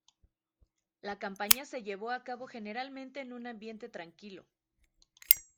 La campaña se llevó a cabo generalmente en un ambiente tranquilo.